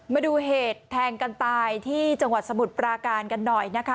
มาดูเหตุแทงกันตายที่จังหวัดสมุทรปราการกันหน่อยนะคะ